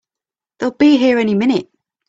They'll be here any minute!